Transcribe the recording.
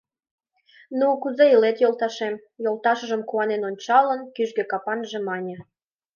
— Ну, кузе илет, йолташем? — йолташыжым куанен ончалын, кӱжгӧ капанже мане.